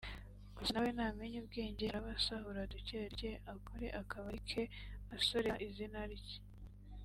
Gusa na we namenya ubwenge araba asahura duke duke akore akabari ke asorera izina rye